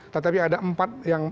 tetapi ada empat yang